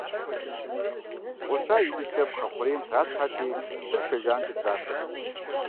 Гъуща иужькӀэ, пхъэ хъурейм тралъхьэрти, цыр сэ жанкӀэ трахырт.